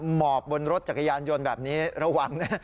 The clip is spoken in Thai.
หมอบบนรถจักรยานยนต์แบบนี้ระวังนะ